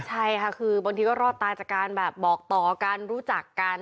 ใช่ค่ะคือบางทีก็รอดตายจากการแบบบอกต่อกันรู้จักกัน